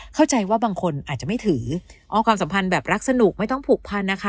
เข้าใจว่าบางคนอาจจะไม่ถืออ๋อความสัมพันธ์แบบรักสนุกไม่ต้องผูกพันนะคะ